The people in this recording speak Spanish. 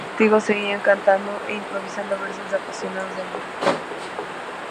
Ajenos al castigo, seguían cantando e improvisando versos de apasionado amor.